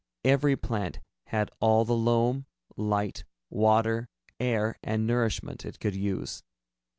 Every plant had all the loam, light, water, air and nourishment it could use.